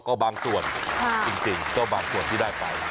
ก็บางส่วนจริงก็บางส่วนที่ได้ไป